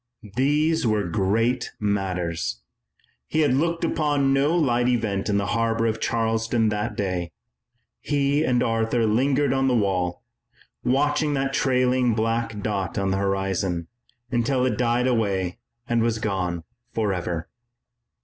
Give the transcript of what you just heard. These were great matters. He had looked upon no light event in the harbor of Charleston that day. He and Arthur lingered on the wall, watching that trailing black dot on the horizon, until it died away and was gone forever.